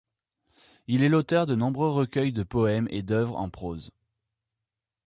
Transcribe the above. Il est l’auteur de nombreux recueils de poèmes et d’œuvres en prose.